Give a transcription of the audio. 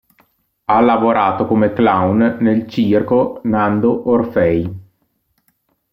Ha lavorato come clown nel Circo Nando Orfei.